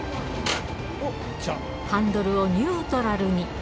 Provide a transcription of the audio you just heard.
ハンドルをニュートラルに。